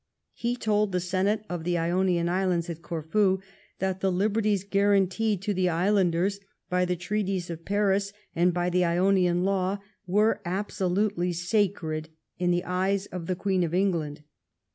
He told the Senate of the Ionian Islands at Corfu that the liberties guaranteed to the islanders by the treaties of Paris and by the Ionian law were absolutely sacred in the eyes of the Queen of England.